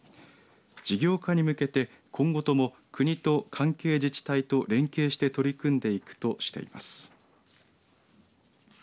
事業化に向けて今後とも国と関係自治体と連携して取り組んでいく、としています。